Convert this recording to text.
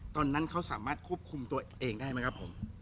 ตอนนั้นเขาสามารถควบคุมตัวเองได้ไหมครับผม